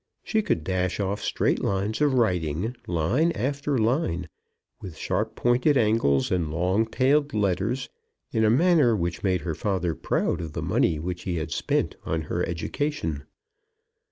She could dash off straight lines of writing, line after line, with sharp pointed angles and long tailed letters, in a manner which made her father proud of the money which he had spent on her education.